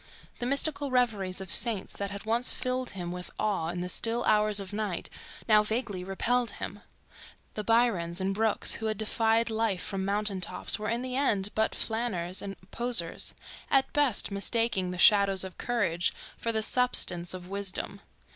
The mystical reveries of saints that had once filled him with awe in the still hours of night, now vaguely repelled him. The Byrons and Brookes who had defied life from mountain tops were in the end but flaneurs and poseurs, at best mistaking the shadow of courage for the substance of wisdom.